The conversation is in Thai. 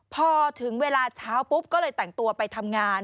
พอถึงเวลาเช้าปุ๊บก็เลยแต่งตัวไปทำงาน